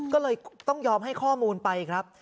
ก็เลยต้องยอมให้ข้อมูลไปครับ